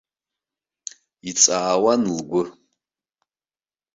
Иҵаауан лгәы.